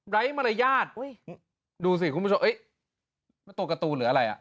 ไร้มารยาทดูสิคุณผู้ชมเอ๊ะตัวกาตูหรืออะไรอ่ะ